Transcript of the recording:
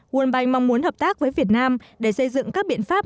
world bank mong muốn hợp tác với việt nam để xây dựng các biện pháp